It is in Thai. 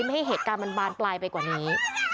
ไม่ให้เห็นการบานตายไปกว่านี้